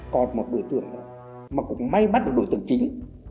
còn một đối tượng mà cũng may bắt được đối tượng chính